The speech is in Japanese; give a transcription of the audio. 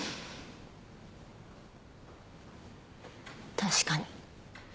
確かに。